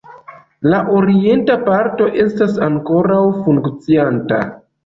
La orienta parto estas ankoraŭ funkcianta.